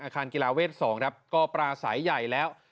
อาคารกีฬาเวศส่องครับก็ปลาสายใหญ่แล้ว